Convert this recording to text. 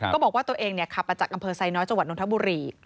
บอกว่าตัวเองขับมาจากอำเภอไซน้อยจังหวัดนทบุรี